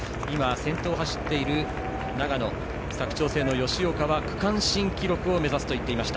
先頭を走っている長野、佐久長聖の吉岡は区間新記録を目指すと言っていました。